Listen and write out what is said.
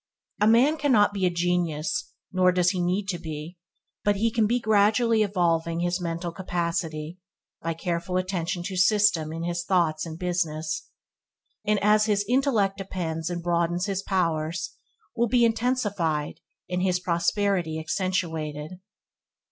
Every man cannot be a genius nor does he need to be, but he can be gradually evolving his mental capacity by careful attention to system in his thoughts and business, and as his intellect depends and broadens his powers will be intensified and his prosperity accentuated.